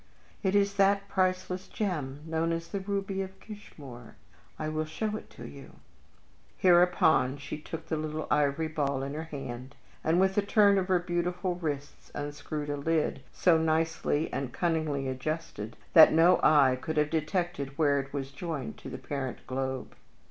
It is that priceless gem known as the Ruby of Kishmoor. I will show it to you." [Illustration: "I AM THE DAUGHTER OF THAT UNFORTUNATE CAPTAIN KEITT"] Hereupon she took the little ivory ball in her hand, and, with a turn of her beautiful wrists, unscrewed a lid so nicely and cunningly adjusted that no eye could have detected where it was joined to the parent globe.